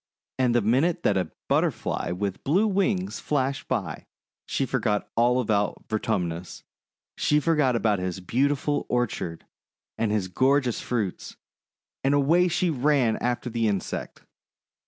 And the minute that a Butterfly with blue wings flashed by, she forgot all about Vertumnus, she forgot about his beautiful orchard and his gorgeous fruits, and away she ran after the insect.